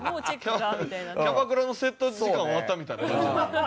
キャバクラのセット時間終わったみたいな感じ。